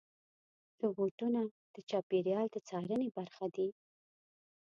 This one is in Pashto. روبوټونه د چاپېریال د څارنې برخه دي.